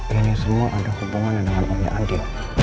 ini semua ada hubungannya dengan omnya andi